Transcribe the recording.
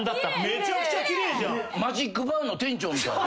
マジックバーの店長みたい。